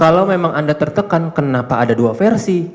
kalau memang anda tertekan kenapa ada dua versi